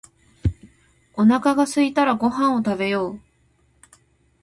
おなかがすいたらご飯を食べよう